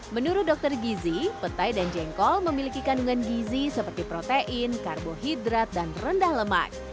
menurut dokter gizi petai dan jengkol memiliki kandungan gizi seperti protein karbohidrat dan rendah lemak